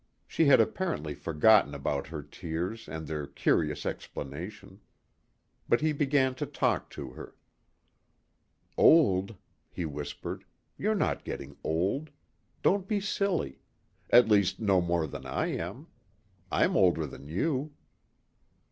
She had apparently forgotten about her tears and their curious explanation. But he began to talk to her. "Old," he whispered, "you're not getting old. Don't be silly. At least no more than I am. I'm older than you."